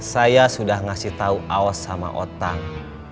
saya sudah ngasih tahu awas sama otang